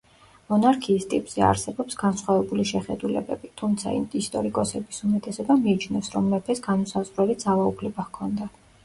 მონარქიის ტიპზე არსებობს განსხვავებული შეხედულებები, თუმცა ისტორიკოსების უმეტესობა მიიჩნევს რომ მეფეს განუსაზღვრელი ძალაუფლება ჰქონდა.